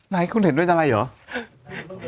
ให้คุณเห็นด้วยอะไรเหรอ